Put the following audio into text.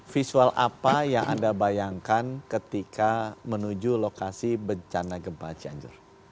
visual apa yang anda bayangkan ketika menuju lokasi bencana gempa cianjur